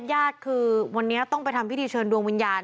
ญาติคือวันนี้ต้องไปทำพิธีเชิญดวงวิญญาณ